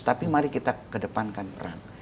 tapi mari kita kedepankan perang